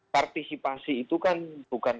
partisipasi itu kan bukan